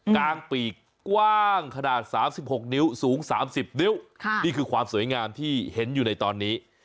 กลางปีกกว้างขนาด๓๖นิ้วสูง๓๐นิ้วนี่คือความสวยงามที่เห็นอยู่ในตอนนี้